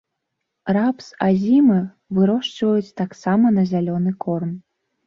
Рапс азімы вырошчваюць таксама на зялёны корм.